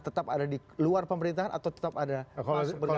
tetap ada di luar pemerintahan atau tetap ada bergabung